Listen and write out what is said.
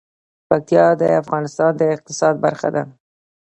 پکتیا د افغانستان د اقتصاد برخه ده.